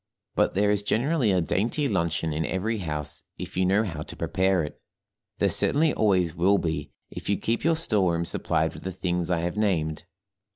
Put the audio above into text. But there is generally a dainty luncheon in every house if you know how to prepare it; there certainly always will be if you keep your store room supplied with the things I have named.